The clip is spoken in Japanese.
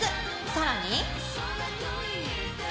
さらに。